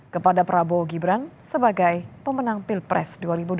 kepada prabowo gibran sebagai pemenang pilpres dua ribu dua puluh